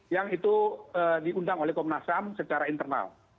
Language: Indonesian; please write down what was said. yang itu diundang oleh komnas ham secara internal